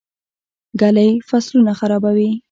ږلۍ فصلونه خرابوي.